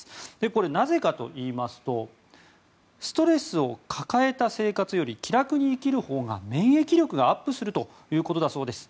これはなぜかといいますとストレスを抱えた生活より気楽に生きるほうが免疫力がアップするということです。